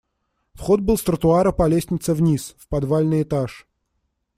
Вход был с тротуара по лестнице вниз, в подвальный этаж.